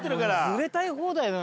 ずれたい放題だな。